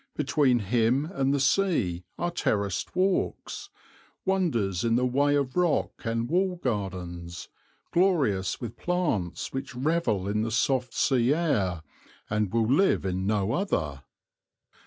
Between him and the sea are terraced walks, wonders in the way of rock and wall gardens, glorious with plants which revel in the soft sea air and will live in no other.